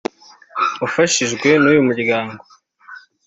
wafashijwe n’uyu muryango